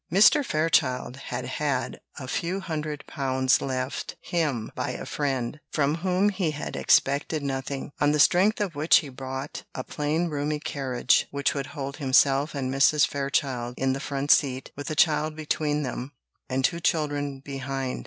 Mr. Fairchild had had a few hundred pounds left him by a friend, from whom he had expected nothing; on the strength of which he bought a plain roomy carriage, which would hold himself and Mrs. Fairchild in the front seat, with a child between them, and two children behind.